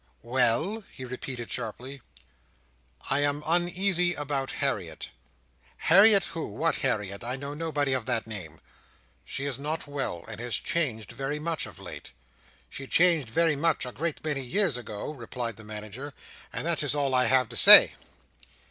"Well?" he repeated sharply. "I am uneasy about Harriet." "Harriet who? what Harriet? I know nobody of that name." "She is not well, and has changed very much of late." "She changed very much, a great many years ago," replied the Manager; "and that is all I have to say.